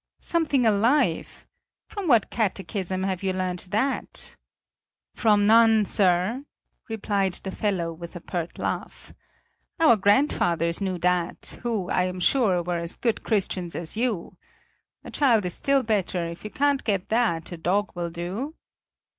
"Something alive? From what catechism have you learned that?" "From none, sir!" replied the fellow with a pert laugh: "our grandfathers knew that, who, I am sure, were as good Christians as you! A child is still better; if you can't get that, a dog will do!"